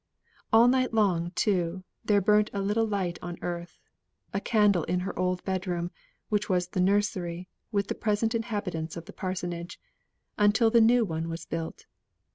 All night long too, there burnt a little light on earth; a candle in her old bedroom, which was the nursery with the present inhabitants of the parsonage, until the new one was built.